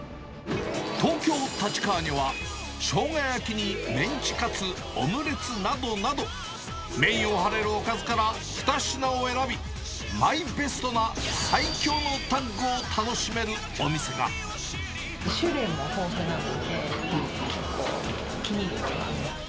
東京・立川には、しょうが焼きにメンチカツ、オムレツなどなど、メインを張れるおかずから２品を選び、マイベストな最強のタッグ種類も豊富なので、結構、気に入っています。